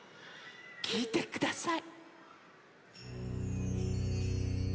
きいてください。